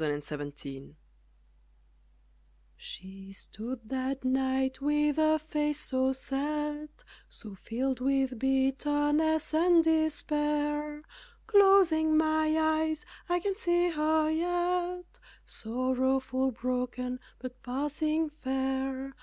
] Deserted She stood that night with a face so set, So filled with bitterness and despair, Closing my eyes, I can see her yet, Sorrowful, broken, but passing fair.